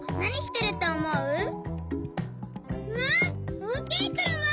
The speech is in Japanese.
うわおおきいくるま！